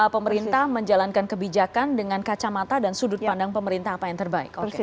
pemerintah menjalankan kebijakan dengan kacamata dan sudut pandang pemerintah apa yang terbaik